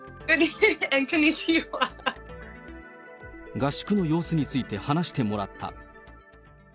合宿の様子について話してもらった。